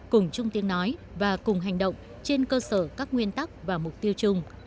cùng chung tiếng nói và cùng hành động trên cơ sở các nguyên tắc và mục tiêu chung